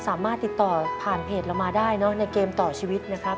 สามารถติดต่อผ่านเพจเรามาได้เนอะในเกมต่อชีวิตนะครับ